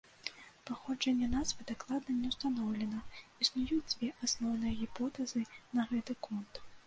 Паходжанне назвы дакладна не ўстаноўлена, існуюць дзве асноўныя гіпотэзы на гэты конт.